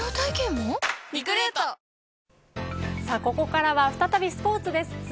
ここからは再びスポーツです。